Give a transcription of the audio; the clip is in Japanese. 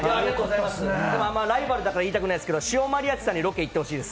ライバルだから言いたくないけどシオマリアッチさんにロケ行ってほしいです。